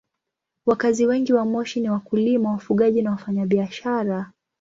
Wakazi wengi wa Moshi ni wakulima, wafugaji na wafanyabiashara.